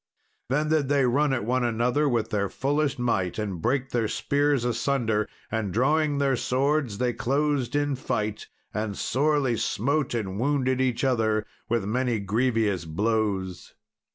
Then did they run at one another with their fullest might, and break their spears asunder; and, drawing their swords, they closed in fight, and sorely smote and wounded each other with many grievous blows.